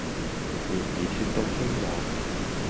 然而說到希望，